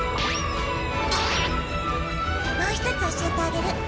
もう一つ教えてあげる。